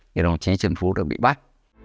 thì đồng chí trần phú được bị bắt